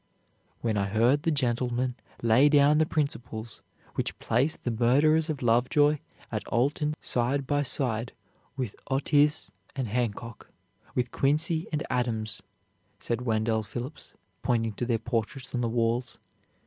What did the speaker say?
"When I heard the gentleman lay down the principles which place the murderers of Lovejoy at Alton side by side with Otis and Hancock, with Quincy and Adams," said Wendell Phillips, pointing to their portraits on the walls.